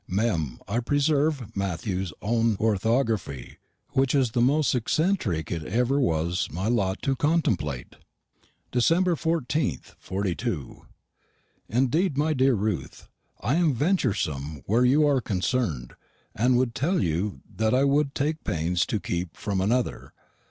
Mem. I preserve Matthew's own orthography, which is the most eccentric it was ever my lot to contemplate. "December 14, '42. Indeed, my dear Ruth, I am ventursom wear you are concurn'd, and w'd tell you that I w'd taik panes to kepe fromm another.